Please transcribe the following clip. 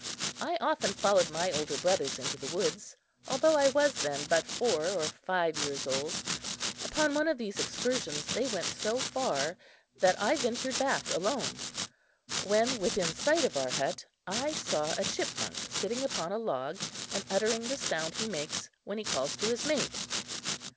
I often followed my older brothers into the woods, although I was then but four or five years old. Upon one of these excursions they went so far that I ventured back alone. When within sight of our hut, I saw a chipmunk sitting upon a log, and uttering the sound he makes when he calls to his mate.